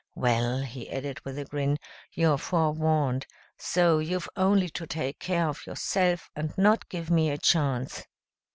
"Well," he added with a grin, "you're forewarned. So you've only to take care of yourself and not give me a chance."